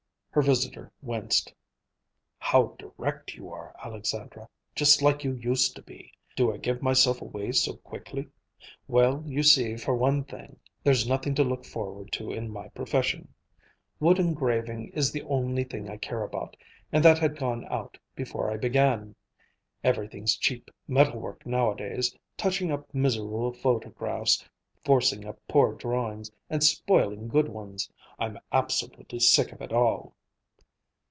Her visitor winced. "How direct you are, Alexandra! Just like you used to be. Do I give myself away so quickly? Well, you see, for one thing, there's nothing to look forward to in my profession. Wood engraving is the only thing I care about, and that had gone out before I began. Everything's cheap metal work nowadays, touching up miserable photographs, forcing up poor drawings, and spoiling good ones. I'm absolutely sick of it all."